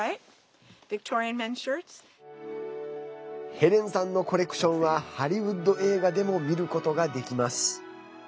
ヘレンさんのコレクションはハリウッド映画でも見ることができます。